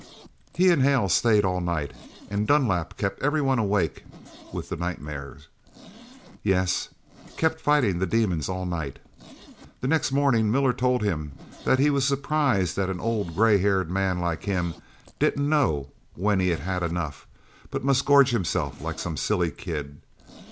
"He and Hale stayed all night, and Dunlap kept every one awake with the nightmare. Yes, kept fighting the demons all night. The next morning Miller told him that he was surprised that an old gray haired man like him didn't know when he had enough, but must gorge himself like some silly kid.